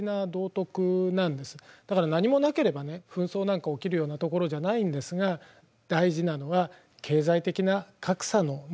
だから何もなければね紛争なんか起きるような所じゃないんですが大事なのは経済的な格差の問題なんです。